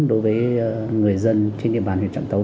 đối với người dân trên địa bàn huyện trạm tấ